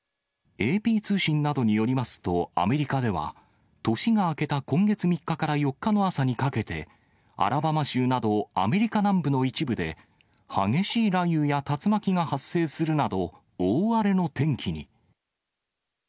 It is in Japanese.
ＡＰ通信などによりますと、アメリカでは、年が明けた今月３日から４日の朝にかけて、アラバマ州などアメリカ南部の一部で、激しい雷雨や竜巻が発生するなど、大荒れの天気に。